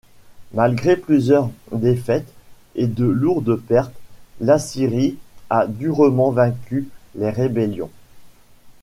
Malgré plusieurs défaites et de lourdes pertes, l'Assyrie a durement vaincu les rébellions.